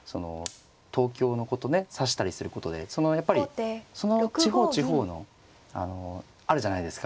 東京の子とね指したりすることでそのやっぱりその地方地方のあるじゃないですか？